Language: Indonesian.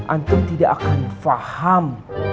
antum tidak akan faham